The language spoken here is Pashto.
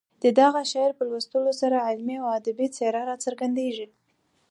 د دغه شعر په لوستلو سره علمي او ادبي څېره راڅرګندېږي.